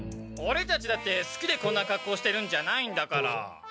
オレたちだってすきでこんなかっこうしてるんじゃないんだから。